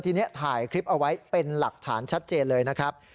ทีนี้ถ่ายคลิปเอาไว้เป็นหลักฐานชัดเจนเลยนะครับ